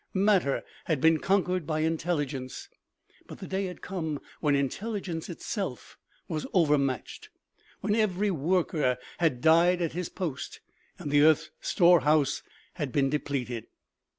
Matter had been conquered by intelligence ; but the day had come when intelligence itself was overmatched, when every worker had died at his post and the earth's storehouse had been depleted.